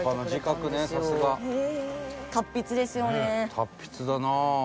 達筆だな。